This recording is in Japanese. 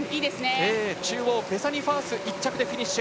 中央、ベサニー・ファースが１着でフィニッシュ。